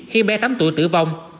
khi bé tám tuổi tử vong